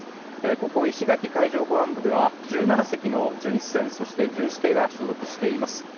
ここ石垣海上保安部では１７隻の巡視船、巡視艇が所属しています。